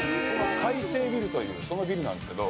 開成ビルという、そのビルなんですけど。